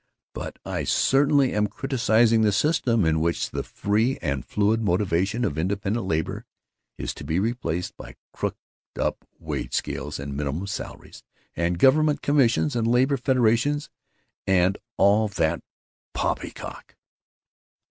But I certainly am criticizing the systems in which the free and fluid motivation of independent labor is to be replaced by cooked up wage scales and minimum salaries and government commissions and labor federations and all that poppycock.